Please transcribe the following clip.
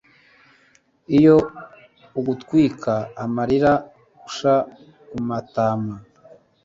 iyo gutwika amarira gush kumatama